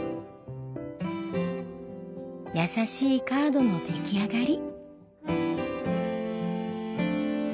優しいカードの出来上がり。